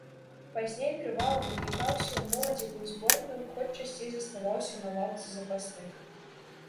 Пазней трывала выклікаўся ў моладзевую зборную, хоць часцей заставаўся на лаўцы запасных.